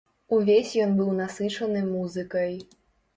Увесь ён быў насычаны музыкай.